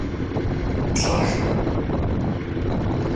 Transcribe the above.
ПщӀэжрэ?